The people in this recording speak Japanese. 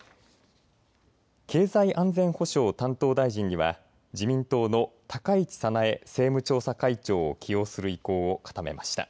経済安全保障担当大臣には自民党の高市早苗政務調査会長を起用する意向を固めました。